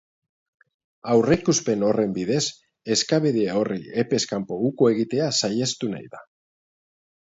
Aurreikuspen horren bidez, eskabide horri epez kanpo uko egitea saihestu nahi da.